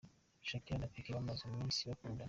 Shakira na Pique bamaze iminsi bakundana.